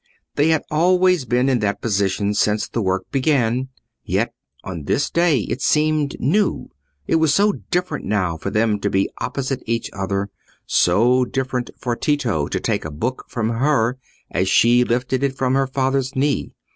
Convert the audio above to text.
They had always been in that position since the work began, yet on this day it seemed new; it was so different now for them to be opposite each other; so different for Tito to take a book from her, as she lifted it from her father's knee.